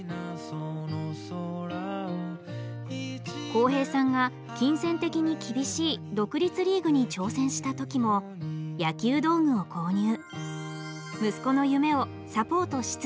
浩平さんが金銭的に厳しい独立リーグに挑戦した時も野球道具を購入。